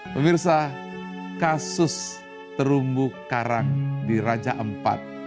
pemirsa kasus terumbu karang di raja ampat